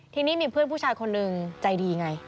ทีนี้มีเพื่อนผู้ชายคนหนึ่งใจดีไง